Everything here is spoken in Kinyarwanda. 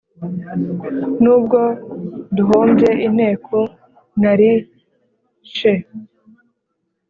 N’ubwo duhombye inteko nari !she